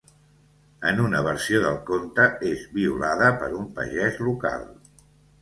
En una versió del conte és violada per un pagès local.